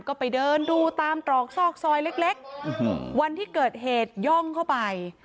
ก็ไปเดินดูตามตรอกซอกซอยเล็กวันที่เกิดเหตุย่องเข้าไป